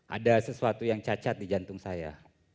ada sesuatu yang cacat di jantung saya